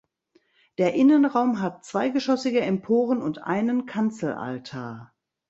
Der Innenraum hat zweigeschossige Emporen und einen Kanzelaltar.